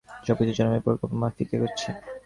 সবকিছুই জনাবের পরিকল্পনা মাফিক এগোচ্ছে।